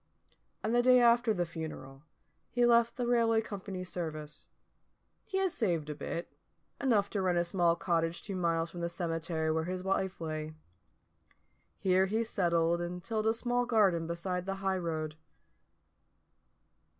And the day after the funeral he left the railway company's service. He had saved a bit, enough to rent a small cottage two miles from the cemetery where his wife lay. Here he settled and tilled a small garden beside the high road.